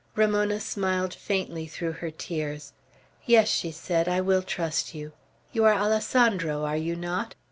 Ramona smiled faintly through her tears. "Yes," she said, "I will trust you. You are Alessandro, are you not?"